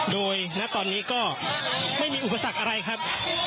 โดยณตอนนี้ก็ไม่มีอุปสรรคอะไรครับ